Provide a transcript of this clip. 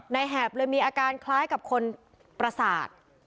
แหบเลยมีอาการคล้ายกับคนประสาท